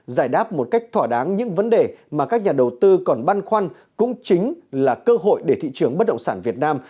giải đáp một cách thỏa đáng những vấn đề mà các nhà đầu tư còn băn khoăn cũng chính là cơ hội để thị trường bất động sản việt nam